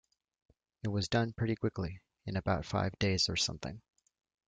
It was done pretty quickly, in about five days or something.